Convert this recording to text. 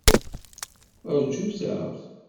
Rjut-aɣ!